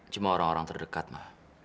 cuma orang orang terdekat mah